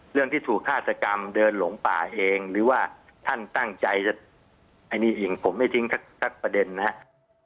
เรื่องที่ถูกฆาตกรรมเดินหลงป่าเองหรือว่าท่านตั้งใจจะไอ้นี่เองผมไม่ทิ้งสักประเด็นนะครับ